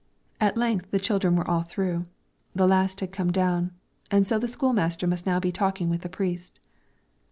At length the children were all through, the last had come down, and so the school master must now be talking with the priest.